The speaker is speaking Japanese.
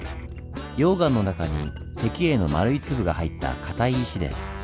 溶岩の中に石英の丸い粒が入ったかたい石です。